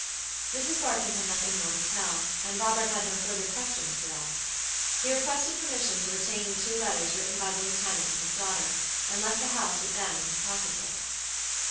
Mrs. Barkamb had nothing more to tell, and Robert had no further questions to ask. He requested permission to retain the two letters written by the lieutenant and his daughter, and left the house with them in his pocket book.